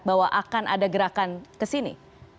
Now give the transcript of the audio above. bahwa akan ada gerakan ke sini